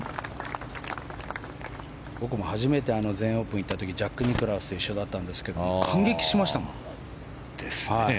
僕も初めて全英オープンに行った時にジャック・ニクラウスと一緒だったんですけど感激しましたもん。